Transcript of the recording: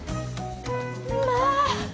まあ！